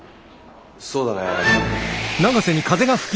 そうだね。